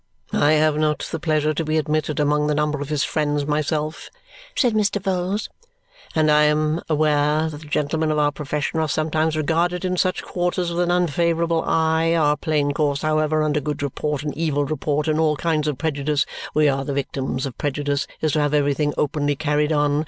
"I have not the pleasure to be admitted among the number of his friends myself," said Mr. Vholes, "and I am aware that the gentlemen of our profession are sometimes regarded in such quarters with an unfavourable eye. Our plain course, however, under good report and evil report, and all kinds of prejudice (we are the victims of prejudice), is to have everything openly carried on.